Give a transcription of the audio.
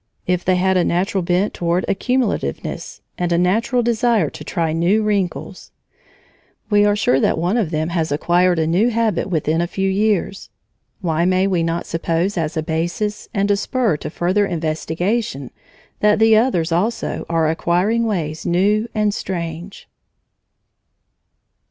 if they had a natural bent toward accumulativeness, and a natural desire to try new wrinkles? We are sure that one of them has acquired a new habit within a few years. Why may we not suppose as a basis and a spur to further investigation that the others also are acquiring ways new and strange?